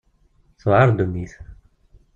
Tuɛer ddunit.